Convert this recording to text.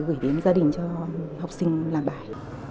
gửi đến gia đình cho học sinh làm bài